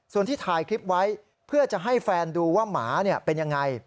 ส่วนที่ถ่ายคลิปไว้เพื่อจะให้แฟนดูว่าหมาเป็นยังไง